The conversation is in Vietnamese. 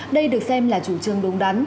đây được xem là chủ trương đúng đắn